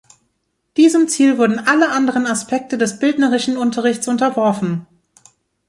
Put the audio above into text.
Diesem Ziel wurden alle anderen Aspekte des bildnerischen Unterrichts unterworfen.